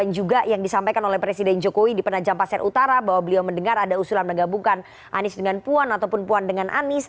dan juga yang disampaikan oleh presiden jokowi di penajam pasir utara bahwa beliau mendengar ada usulan menggabungkan anies dengan puan ataupun puan dengan anies